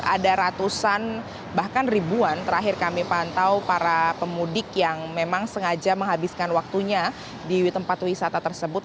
ada ratusan bahkan ribuan terakhir kami pantau para pemudik yang memang sengaja menghabiskan waktunya di tempat wisata tersebut